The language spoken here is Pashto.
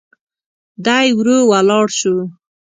دی ورو ولاړ شو.